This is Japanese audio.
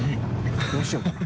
どうしようかな」